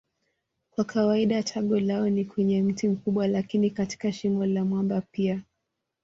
Kwa kawaida tago lao ni kwenye mti mkubwa lakini katika shimo la mwamba pia.